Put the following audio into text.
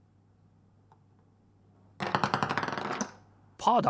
パーだ！